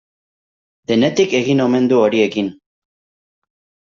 Denetik egin omen du horiekin.